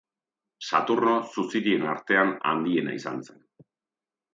Saturno suzirien artean handiena izan zen.